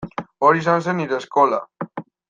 Hori izan zen nire eskola.